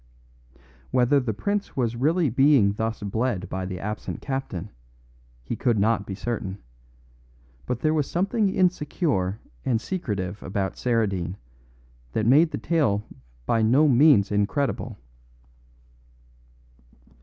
Whether the prince was really being thus bled by the absent captain, he could not be certain, but there was something insecure and secretive about Saradine that made the tale by no means incredible.